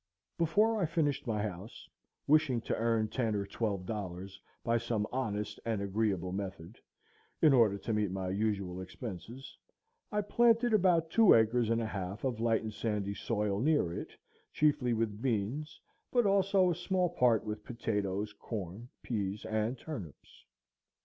Before I finished my house, wishing to earn ten or twelve dollars by some honest and agreeable method, in order to meet my unusual expenses, I planted about two acres and a half of light and sandy soil near it chiefly with beans, but also a small part with potatoes, corn, peas, and turnips.